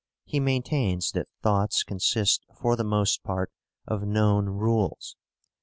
He maintains that thoughts consist for the most part of known rules (p.